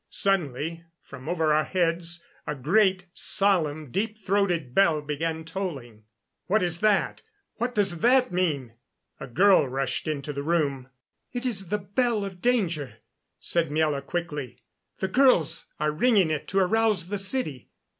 Suddenly, from over our heads, a great, solemn deep throated bell began tolling. "What is that? What does that mean?" A girl rushed into the room. "It is the bell of danger," said Miela quickly. "The girls are ringing it to arouse the city.